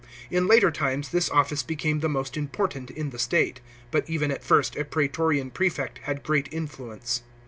In later times this office became the most important in the state; but even at first a praetorian prefect had great influence.